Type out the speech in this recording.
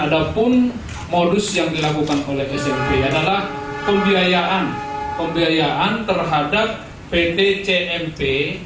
ada pun modus yang dilakukan oleh smp adalah pembiayaan terhadap pt cmp